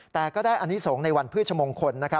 แต่ก็ได้อนิสงฆ์ในวันพฤชมงคล